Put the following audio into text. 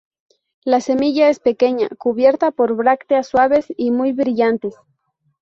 La semilla es pequeña, cubierta por brácteas suaves y muy brillantes.